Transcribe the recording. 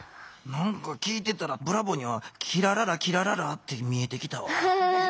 なんか聞いてたらブラボーには「キラララキラララ」って見えてきたわ。